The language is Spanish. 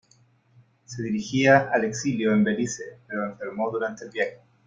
Se dirigía al exilio en Belice, pero enfermó durante el viaje.